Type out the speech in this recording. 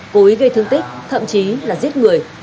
cố ý gây thương tích thậm chí là giết người